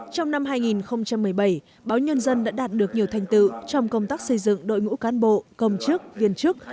trong năm hai nghìn một mươi bảy báo nhân dân đã đạt được nhiều thành tựu trong công tác xây dựng đội ngũ cán bộ công chức viên chức